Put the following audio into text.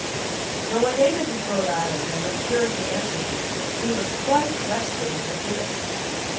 Though a native of Rhode Island, and of Puritan ancestry, he was quite Western in appearance.